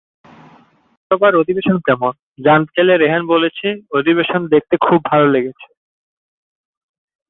লোকসভার অধিবেশন কেমন, জানতে চাইলে রেহান বলেছে, অধিবেশন দেখতে খুব ভালো লেগেছে।